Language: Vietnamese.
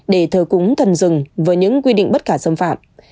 để thờ cúng thần rừng với những quy định bất khả xâm phạm